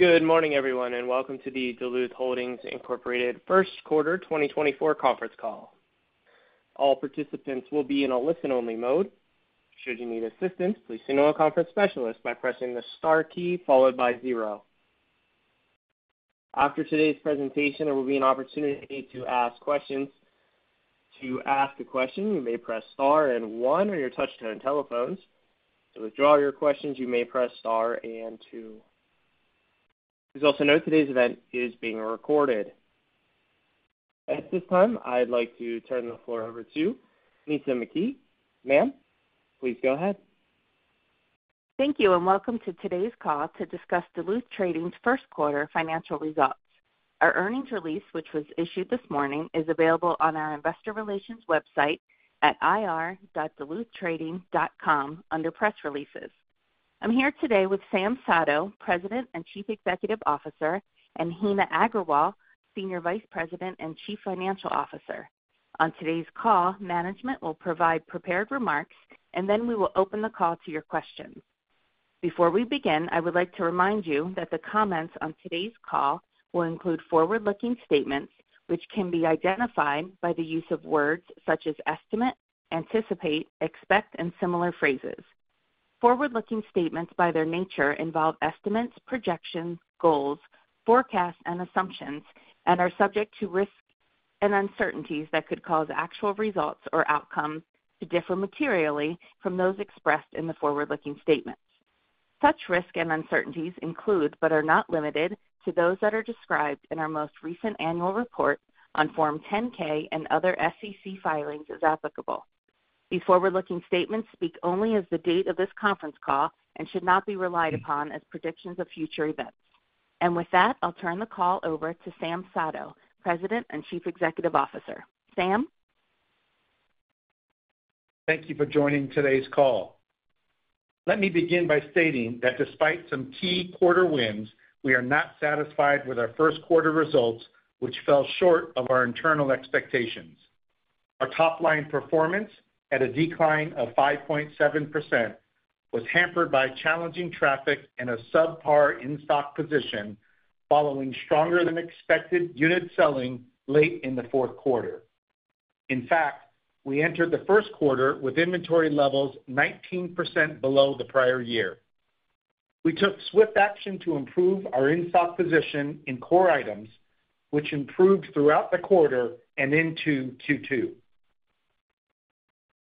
Good morning, everyone, and welcome to the Duluth Holdings Incorporated First Quarter 2024 conference call. All participants will be in a listen-only mode. Should you need assistance, please signal a conference specialist by pressing the Star key followed by zero. After today's presentation, there will be an opportunity to ask questions. To ask a question, you may press Star and One on your touchtone telephones. To withdraw your questions, you may press Star and Two. Please also note today's event is being recorded. At this time, I'd like to turn the floor over to Nitza McKee. Ma'am, please go ahead. Thank you, and welcome to today's call to discuss Duluth Trading's first quarter financial results. Our earnings release, which was issued this morning, is available on our investor relations website at ir.duluthtrading.com under Press Releases. I'm here today with Sam Sato, President and Chief Executive Officer, and Heena Agrawal, Senior Vice President and Chief Financial Officer. On today's call, management will provide prepared remarks, and then we will open the call to your questions. Before we begin, I would like to remind you that the comments on today's call will include forward-looking statements, which can be identified by the use of words such as estimate, anticipate, expect, and similar phrases. Forward-looking statements, by their nature, involve estimates, projections, goals, forecasts, and assumptions, and are subject to risks and uncertainties that could cause actual results or outcomes to differ materially from those expressed in the forward-looking statements. Such risks and uncertainties include, but are not limited to, those that are described in our most recent annual report on Form 10-K and other SEC filings, as applicable. These forward-looking statements speak only as the date of this conference call and should not be relied upon as predictions of future events. With that, I'll turn the call over to Sam Sato, President and Chief Executive Officer. Sam? Thank you for joining today's call. Let me begin by stating that despite some key quarter wins, we are not satisfied with our first quarter results, which fell short of our internal expectations. Our top-line performance, at a decline of 5.7%, was hampered by challenging traffic and a subpar in-stock position, following stronger-than-expected unit selling late in the fourth quarter. In fact, we entered the first quarter with inventory levels 19% below the prior year. We took swift action to improve our in-stock position in core items, which improved throughout the quarter and into Q2.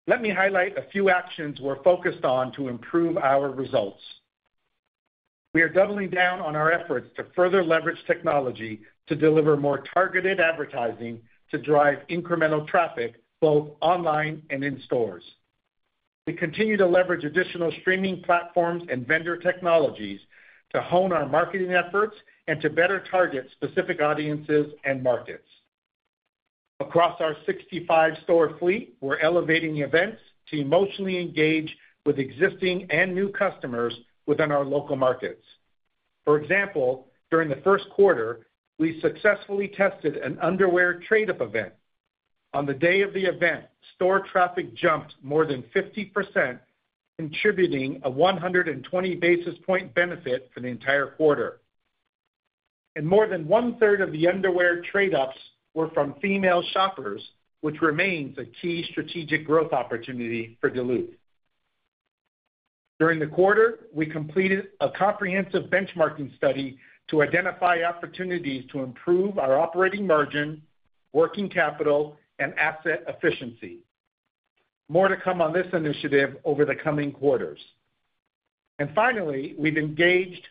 Let me highlight a few actions we're focused on to improve our results. We are doubling down on our efforts to further leverage technology to deliver more targeted advertising to drive incremental traffic, both online and in stores. We continue to leverage additional streaming platforms and vendor technologies to hone our marketing efforts and to better target specific audiences and markets. Across our 65-store fleet, we're elevating events to emotionally engage with existing and new customers within our local markets. For example, during the first quarter, we successfully tested an underwear trade-up event. On the day of the event, store traffic jumped more than 50%, contributing a 120 basis point benefit for the entire quarter. More than one-third of the underwear trade-ups were from female shoppers, which remains a key strategic growth opportunity for Duluth. During the quarter, we completed a comprehensive benchmarking study to identify opportunities to improve our operating margin, working capital, and asset efficiency. More to come on this initiative over the coming quarters. And finally, we've engaged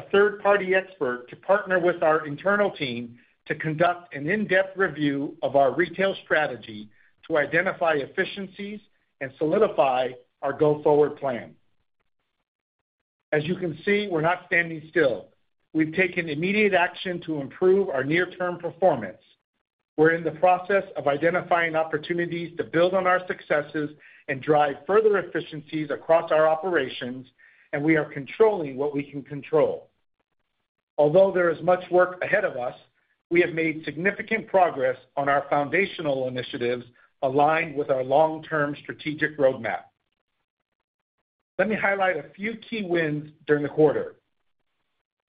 a third-party expert to partner with our internal team to conduct an in-depth review of our retail strategy to identify efficiencies and solidify our go-forward plan. As you can see, we're not standing still. We've taken immediate action to improve our near-term performance. We're in the process of identifying opportunities to build on our successes and drive further efficiencies across our operations, and we are controlling what we can control. Although there is much work ahead of us, we have made significant progress on our foundational initiatives aligned with our long-term strategic roadmap. Let me highlight a few key wins during the quarter.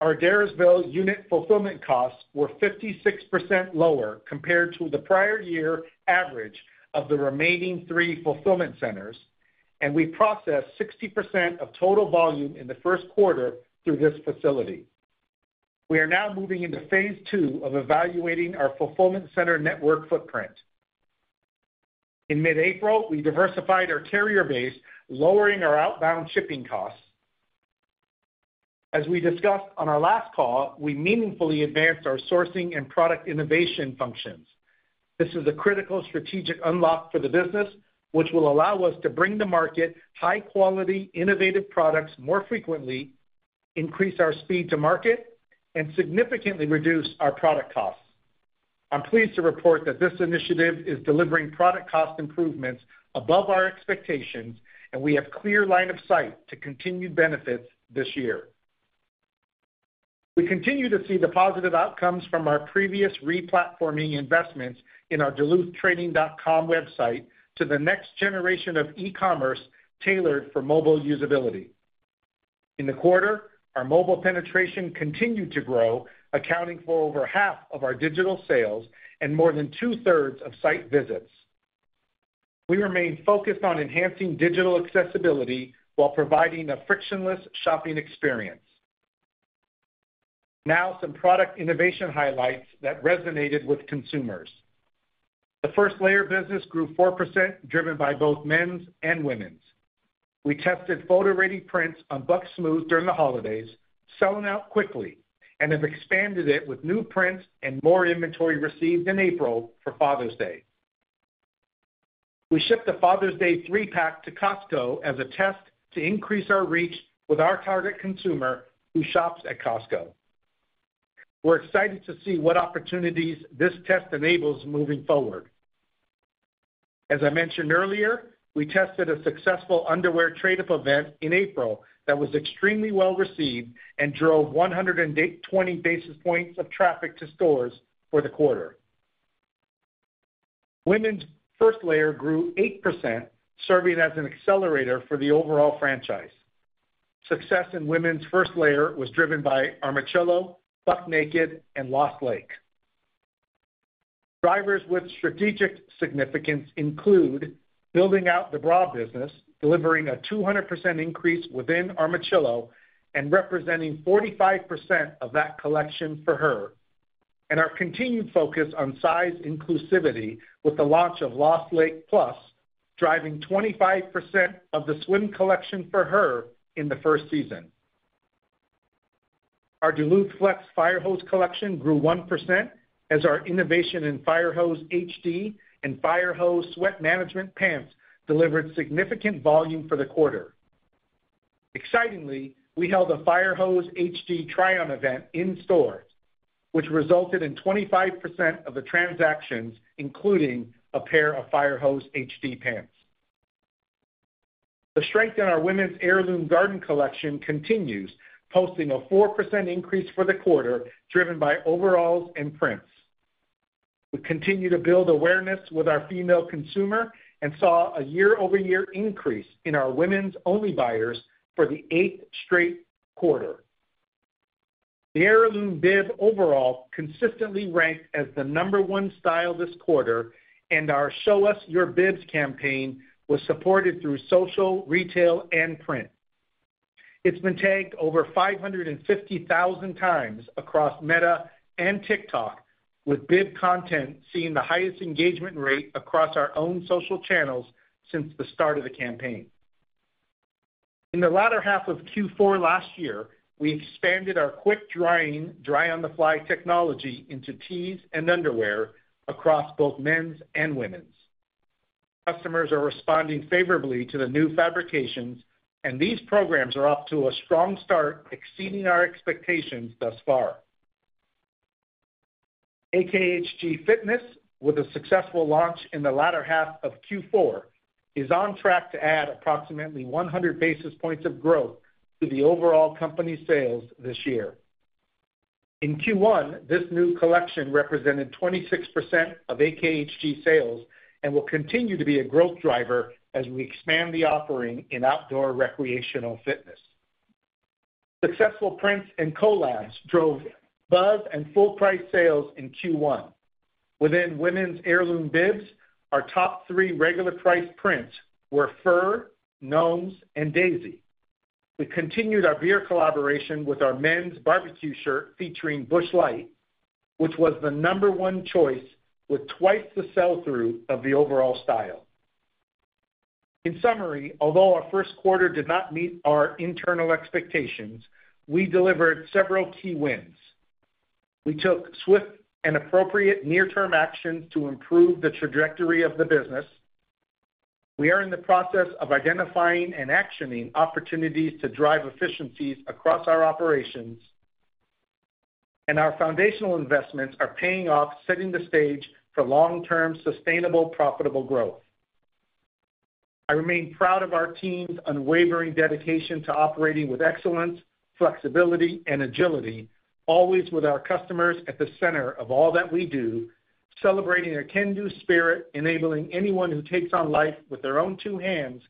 Our Adairsville unit fulfillment costs were 56% lower compared to the prior year average of the remaining three fulfillment centers, and we processed 60% of total volume in the first quarter through this facility. We are now moving into phase two of evaluating our fulfillment center network footprint. In mid-April, we diversified our carrier base, lowering our outbound shipping costs. As we discussed on our last call, we meaningfully advanced our sourcing and product innovation functions. This is a critical strategic unlock for the business, which will allow us to bring to market high-quality, innovative products more frequently, increase our speed to market, and significantly reduce our product costs. I'm pleased to report that this initiative is delivering product cost improvements above our expectations, and we have clear line of sight to continued benefits this year. We continue to see the positive outcomes from our previous replatforming investments in our DuluthTrading.com website to the next generation of e-commerce tailored for mobile usability.... In the quarter, our mobile penetration continued to grow, accounting for over half of our digital sales and more than two-thirds of site visits. We remain focused on enhancing digital accessibility while providing a frictionless shopping experience. Now, some product innovation highlights that resonated with consumers. The first layer business grew 4%, driven by both men's and women's. We tested photo-ready prints on Buck Naked Smooth during the holidays, selling out quickly, and have expanded it with new prints and more inventory received in April for Father's Day. We shipped a Father's Day 3-pack to Costco as a test to increase our reach with our target consumer who shops at Costco. We're excited to see what opportunities this test enables moving forward. As I mentioned earlier, we tested a successful underwear trade-up event in April that was extremely well-received and drove 120 basis points of traffic to stores for the quarter. Women's first layer grew 8%, serving as an accelerator for the overall franchise. Success in women's first layer was driven by Armachillo, Buck Naked, and Lost Lake. Drivers with strategic significance include building out the bra business, delivering a 200% increase within Armachillo, and representing 45% of that collection for her, and our continued focus on size inclusivity with the launch of Lost Lake Plus, driving 25% of the swim collection for her in the first season. Our DuluthFlex Fire Hose collection grew 1%, as our innovation in Fire Hose HD and Fire Hose Sweat Management pants delivered significant volume for the quarter. Excitingly, we held a Fire Hose HD try-on event in stores, which resulted in 25% of the transactions, including a pair of Fire Hose HD pants. The strength in our women's Heirloom Gardening collection continues, posting a 4% increase for the quarter, driven by overalls and prints. We continue to build awareness with our female consumer and saw a year-over-year increase in our women's-only buyers for the eighth straight quarter. The Heirloom Bib overall consistently ranked as the number one style this quarter, and our Show Us Your Bibs campaign was supported through social, retail, and print. It's been tagged over 550,000 times across Meta and TikTok, with bib content seeing the highest engagement rate across our own social channels since the start of the campaign. In the latter half of Q4 last year, we expanded our quick drying, Dry on the Fly technology into tees and underwear across both men's and women's. Customers are responding favorably to the new fabrications, and these programs are off to a strong start, exceeding our expectations thus far. AKHG Fitness, with a successful launch in the latter half of Q4, is on track to add approximately 100 basis points of growth to the overall company sales this year. In Q1, this new collection represented 26% of AKHG sales and will continue to be a growth driver as we expand the offering in outdoor recreational fitness. Successful prints and collabs drove above and full price sales in Q1. Within women's Heirloom bibs, our top three regular price prints were Fur, Gnomes, and Daisy. We continued our beer collaboration with our men's barbecue shirt featuring Busch Light, which was the number one choice, with twice the sell-through of the overall style. In summary, although our first quarter did not meet our internal expectations, we delivered several key wins. We took swift and appropriate near-term actions to improve the trajectory of the business. We are in the process of identifying and actioning opportunities to drive efficiencies across our operations, and our foundational investments are paying off, setting the stage for long-term, sustainable, profitable growth. I remain proud of our team's unwavering dedication to operating with excellence, flexibility, and agility, always with our customers at the center of all that we do, celebrating a can-do spirit, enabling anyone who takes on life with their own two hands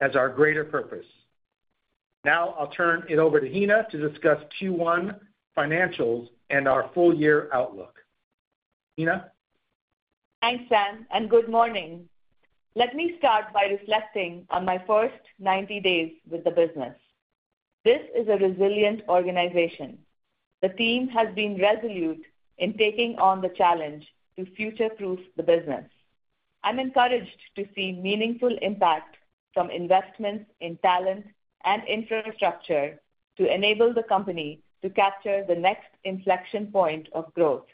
as our greater purpose. Now I'll turn it over to Heena to discuss Q1 financials and our full year outlook. Heena? Thanks, Sam, and good morning. Let me start by reflecting on my first 90 days with the business. This is a resilient organization. The team has been resolute in taking on the challenge to future-proof the business. I'm encouraged to see meaningful impact from investments in talent and infrastructure to enable the company to capture the next inflection point of growth.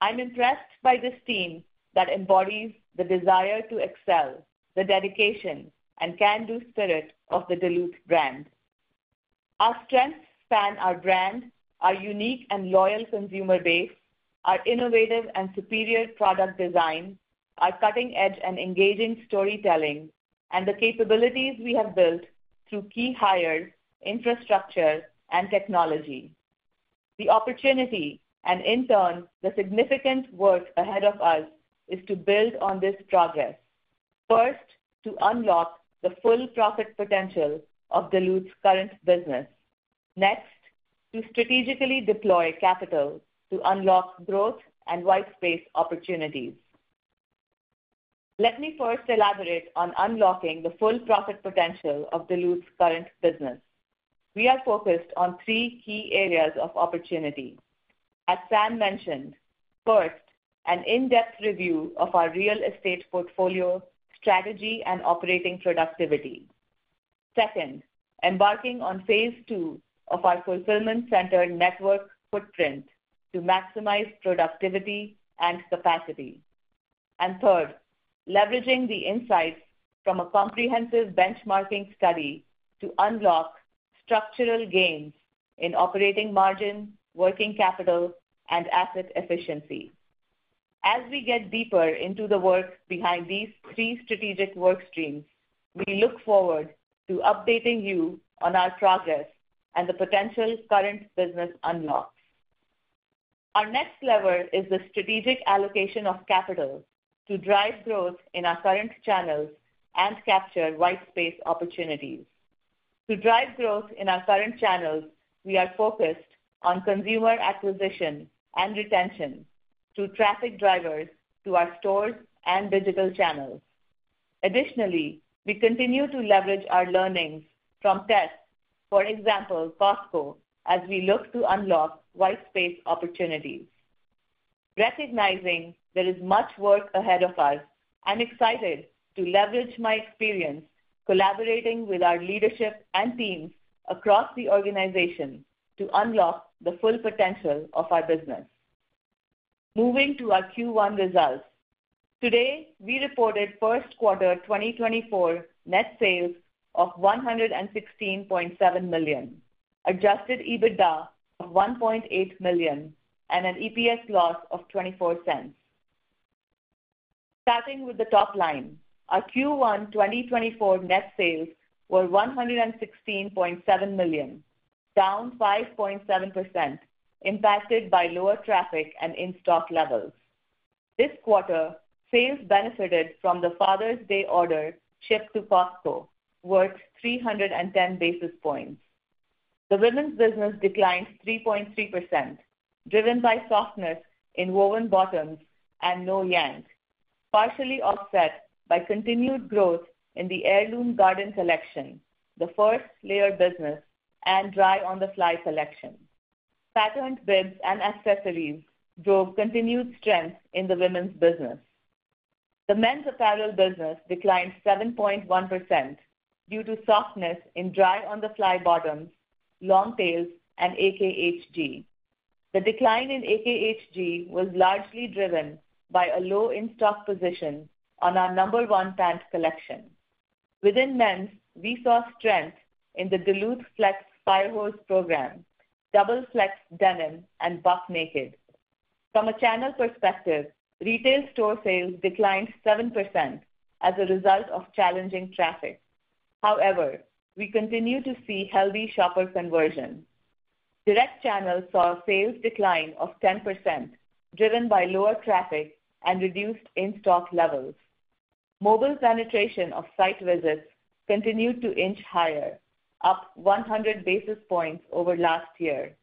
I'm impressed by this team that embodies the desire to excel, the dedication, and can-do spirit of the Duluth brand. Our strengths span our brand, our unique and loyal consumer base, our innovative and superior product design, our cutting-edge and engaging storytelling, and the capabilities we have built through key hires, infrastructure, and technology.... the opportunity and in turn, the significant work ahead of us is to build on this progress. First, to unlock the full profit potential of Duluth's current business. Next, to strategically deploy capital to unlock growth and white space opportunities. Let me first elaborate on unlocking the full profit potential of Duluth's current business. We are focused on three key areas of opportunity. As Sam mentioned, first, an in-depth review of our real estate portfolio, strategy, and operating productivity. Second, embarking on phase two of our fulfillment center network footprint to maximize productivity and capacity. Third, leveraging the insights from a comprehensive benchmarking study to unlock structural gains in operating margin, working capital, and asset efficiency. As we get deeper into the work behind these three strategic work streams, we look forward to updating you on our progress and the potential current business unlocks. Our next lever is the strategic allocation of capital to drive growth in our current channels and capture white space opportunities. To drive growth in our current channels, we are focused on consumer acquisition and retention through traffic drivers to our stores and digital channels. Additionally, we continue to leverage our learnings from tests, for example, Costco, as we look to unlock white space opportunities. Recognizing there is much work ahead of us, I'm excited to leverage my experience collaborating with our leadership and teams across the organization to unlock the full potential of our business. Moving to our Q1 results. Today, we reported first quarter 2024 net sales of $116.7 million, adjusted EBITDA of $1.8 million, and an EPS loss of $0.24. Starting with the top line, our Q1 2024 net sales were $116.7 million, down 5.7%, impacted by lower traffic and in-stock levels. This quarter, sales benefited from the Father's Day order shipped to Costco, worth 310 basis points. The women's business declined 3.3%, driven by softness in woven bottoms and No-Yank, partially offset by continued growth in the Heirloom Gardening collection, the first layer business, and Dry on the Fly collection. Patterned bibs and accessories drove continued strength in the women's business. The men's apparel business declined 7.1% due to softness in Dry on the Fly bottoms, Longtail T, and AKHG. The decline in AKHG was largely driven by a low in-stock position on our number one pants collection. Within men's, we saw strength in the DuluthFlex Fire Hose program, Double Flex Denim, and Buck Naked. From a channel perspective, retail store sales declined 7% as a result of challenging traffic. However, we continue to see healthy shopper conversion. Direct channel saw a sales decline of 10%, driven by lower traffic and reduced in-stock levels. Mobile penetration of site visits continued to inch higher, up 100 basis points over last year,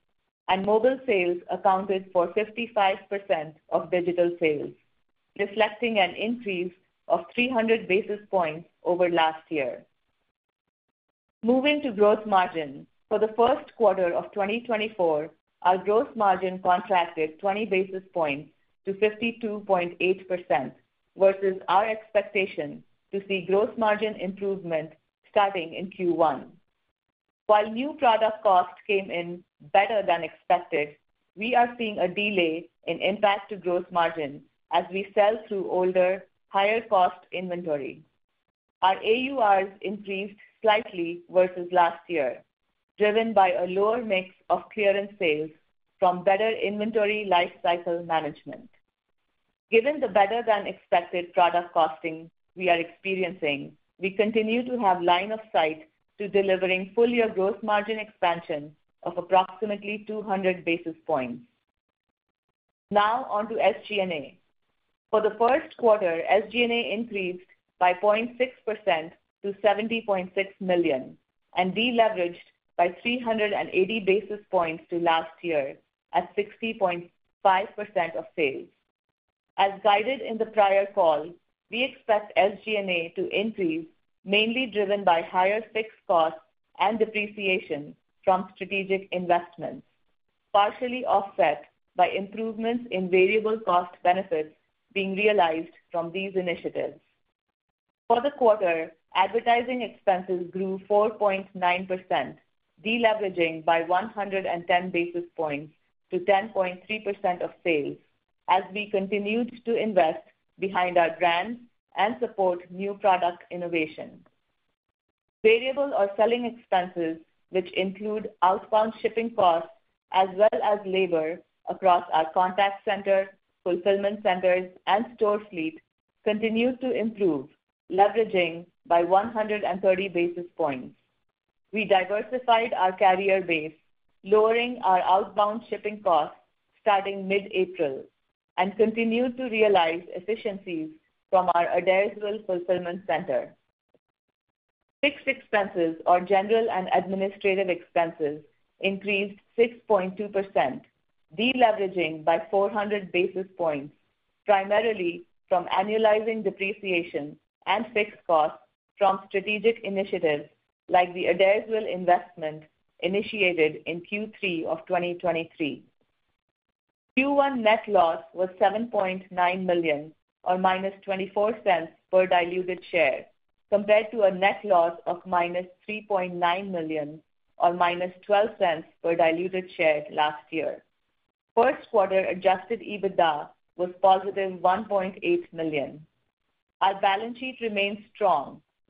and mobile sales accounted for 55% of digital sales, reflecting an increase of 300 basis points over last year. Moving to gross margin. For the first quarter of 2024, our gross margin contracted 20 basis points to 52.8% versus our expectation to see gross margin improvement starting in Q1. While new product cost came in better than expected, we are seeing a delay in impact to gross margin as we sell through older, higher-cost inventory. Our AURs increased slightly versus last year, driven by a lower mix of clearance sales from better inventory life cycle management. Given the better-than-expected product costing we are experiencing, we continue to have line of sight to delivering full-year gross margin expansion of approximately 200 basis points. Now on to SG&A. For the first quarter, SG&A increased by 0.6% to $70.6 million and deleveraged by 380 basis points to last year, at 60.5% of sales. As guided in the prior call, we expect SG&A to increase, mainly driven by higher fixed costs and depreciation from strategic investments, partially offset by improvements in variable cost benefits being realized from these initiatives. For the quarter, advertising expenses grew 4.9%, deleveraging by 110 basis points to 10.3% of sales, as we continued to invest behind our brands and support new product innovation. Variable or selling expenses, which include outbound shipping costs as well as labor across our contact center, fulfillment centers, and store fleet continued to improve, leveraging by 130 basis points. We diversified our carrier base, lowering our outbound shipping costs starting mid-April, and continued to realize efficiencies from our Adairsville fulfillment center. Fixed expenses or general and administrative expenses increased 6.2%, deleveraging by 400 basis points, primarily from annualizing depreciation and fixed costs from strategic initiatives like the Adairsville investment initiated in Q3 of 2023. Q1 net loss was $7.9 million, or -$0.24 per diluted share, compared to a net loss of -$3.9 million or -$0.12 per diluted share last year. First quarter Adjusted EBITDA was positive $1.8 million. Our balance sheet remains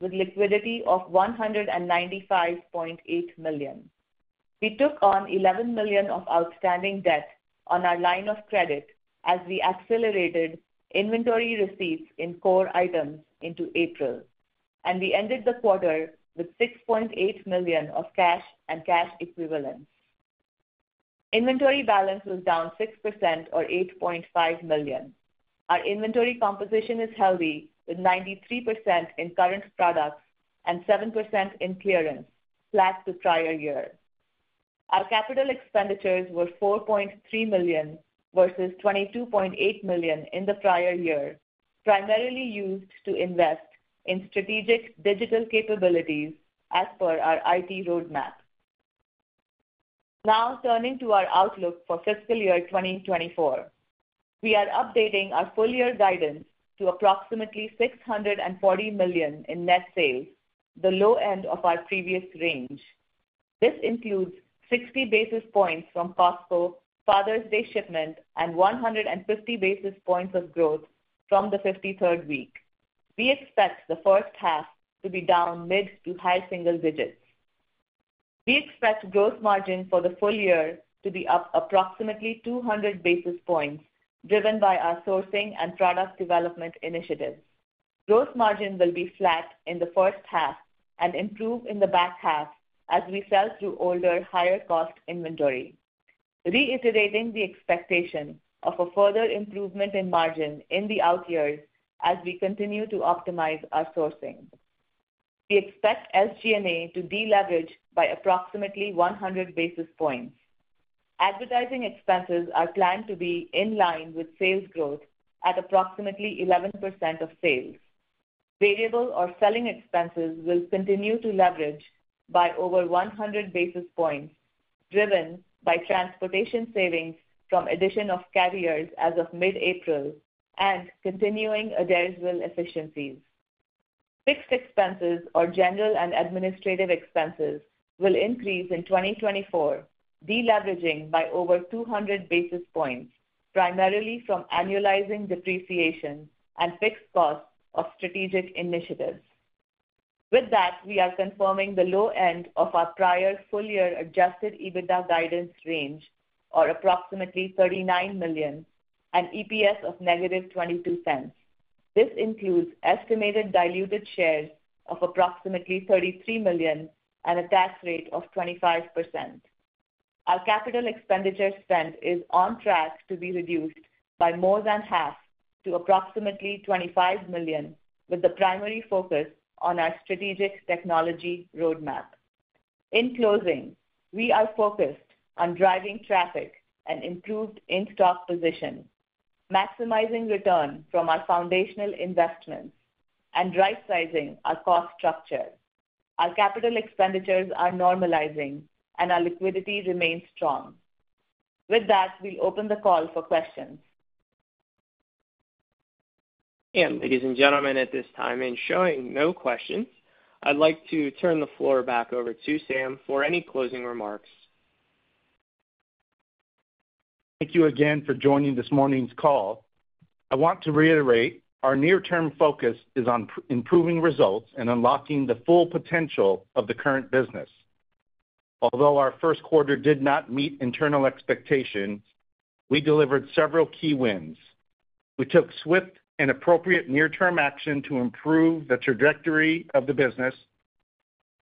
strong, with liquidity of $195.8 million. We took on $11 million of outstanding debt on our line of credit as we accelerated inventory receipts in core items into April, and we ended the quarter with $6.8 million of cash and cash equivalents. Inventory balance was down 6% or $8.5 million. Our inventory composition is healthy, with 93% in current products and 7% in clearance, flat to prior year. Our capital expenditures were $4.3 million versus $22.8 million in the prior year, primarily used to invest in strategic digital capabilities as per our IT roadmap. Now, turning to our outlook for fiscal year 2024. We are updating our full year guidance to approximately $640 million in net sales, the low end of our previous range. This includes 60 basis points from Costco Father's Day shipment and 150 basis points of growth from the 53rd week. We expect the first half to be down mid to high single digits. We expect gross margin for the full year to be up approximately 200 basis points, driven by our sourcing and product development initiatives. Gross margin will be flat in the first half and improve in the back half as we sell through older, higher-cost inventory, reiterating the expectation of a further improvement in margin in the out years as we continue to optimize our sourcing. We expect SG&A to deleverage by approximately 100 basis points. Advertising expenses are planned to be in line with sales growth at approximately 11% of sales. Variable or selling expenses will continue to leverage by over 100 basis points, driven by transportation savings from addition of carriers as of mid-April and continuing Adairsville efficiencies. Fixed expenses or general and administrative expenses will increase in 2024, deleveraging by over 200 basis points, primarily from annualizing depreciation and fixed costs of strategic initiatives. With that, we are confirming the low end of our prior full year adjusted EBITDA guidance range, or approximately $39 million and EPS of -$0.22. This includes estimated diluted shares of approximately 33 million and a tax rate of 25%. Our capital expenditure spend is on track to be reduced by more than half to approximately $25 million, with the primary focus on our strategic technology roadmap. In closing, we are focused on driving traffic and improved in-stock position, maximizing return from our foundational investments, and right sizing our cost structure. Our capital expenditures are normalizing, and our liquidity remains strong. With that, we open the call for questions. Ladies and gentlemen, at this time, in showing no questions, I'd like to turn the floor back over to Sam for any closing remarks. Thank you again for joining this morning's call. I want to reiterate, our near-term focus is on improving results and unlocking the full potential of the current business. Although our first quarter did not meet internal expectations, we delivered several key wins. We took swift and appropriate near-term action to improve the trajectory of the business.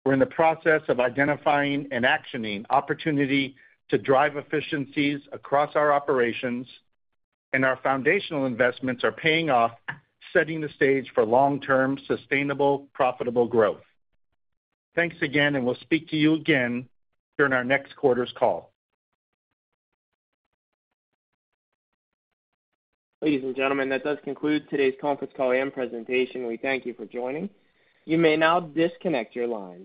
We're in the process of identifying and actioning opportunity to drive efficiencies across our operations, and our foundational investments are paying off, setting the stage for long-term, sustainable, profitable growth. Thanks again, and we'll speak to you again during our next quarter's call. Ladies and gentlemen, that does conclude today's conference call and presentation. We thank you for joining. You may now disconnect your lines.